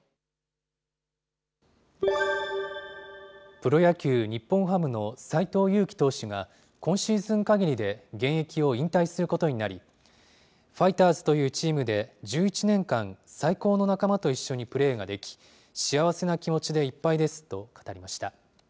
プロ野球・日本ハムの斎藤佑樹投手が、今シーズンかぎりで現役を引退することになり、ファイターズというチームで１１年間、最高の仲間と一緒にプレーができ、幸せな気持ちでいっぱいですと語りました。